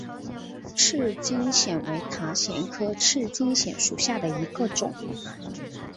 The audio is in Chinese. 赤茎藓为塔藓科赤茎藓属下的一个种。